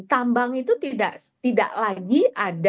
tambang itu tidak lagi ada